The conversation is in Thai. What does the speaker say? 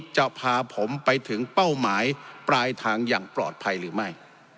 จะพาผมไปถึงเป้าหมายปลายทางอย่างปลอดภัยหรือไม่